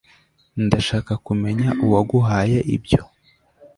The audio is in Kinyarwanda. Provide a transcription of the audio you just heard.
Ndashaka kumenya uwaguhaye ibyo